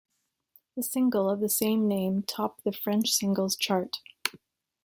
The single of the same name topped the French Singles Chart.